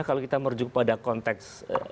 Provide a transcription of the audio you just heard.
kalau kita merujuk pada konteks